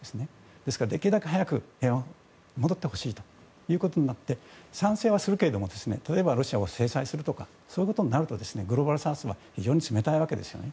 ですから、できるだけ早く平和が戻ってほしいということになって賛成はするけれども例えば、ロシアを制裁するということになるとグローバルサウスは非常に冷たいわけですよね。